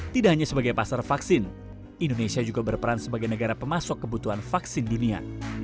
tidak hanya sebagai pasar vaksin indonesia juga berperan sebagai negara pemasok kebutuhan vaksin dunia